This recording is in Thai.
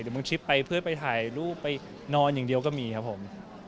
บางชิปไปเพื่อไปถ่ายรูปไปนอนอย่างเดียวก็มีครับผม